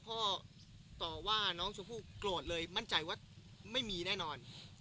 ต่อว่าน้องชมพู่โกรธเลยมั่นใจว่าไม่มีแน่นอน